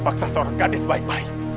paksa seorang gadis baik baik